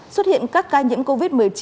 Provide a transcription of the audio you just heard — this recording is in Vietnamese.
xuất hiện các ca nhiễm covid một mươi chín